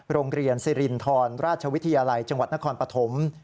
โรงเรียนสิรินทรราชวิทยาลัยจังหวัดนครปฐม